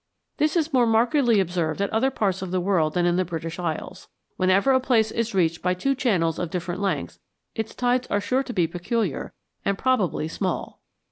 This is more markedly observed at other parts of the world than in the British Isles. Whenever a place is reached by two channels of different length, its tides are sure to be peculiar, and probably small.